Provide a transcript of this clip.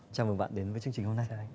chào mừng bạn đến với chương trình hôm nay